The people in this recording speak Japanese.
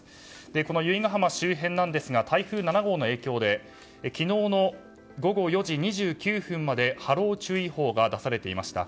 この由比ガ浜周辺ですが台風７号の影響で昨日の午後４時２９分まで波浪注意報が出されていました。